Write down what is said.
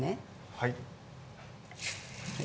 はい。